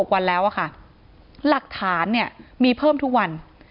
วันแล้วอะค่ะหลักฐานเนี่ยมีเพิ่มทุกวัน